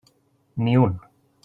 Ni un.